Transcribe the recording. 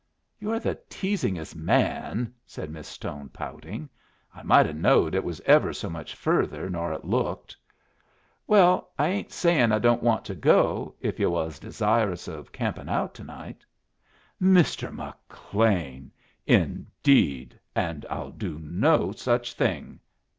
"You're the teasingest man " said Miss Stone, pouting. "I might have knowed it was ever so much further nor it looked." "Well, I ain't sayin' I don't want to go, if yu' was desirous of campin' out to night." "Mr. McLean! Indeed, and I'd do no such thing!"